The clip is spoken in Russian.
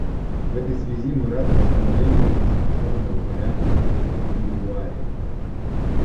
В этой связи мы рады восстановлению конституционного порядка в Котд'Ивуаре.